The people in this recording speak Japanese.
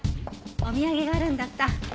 お土産があるんだった。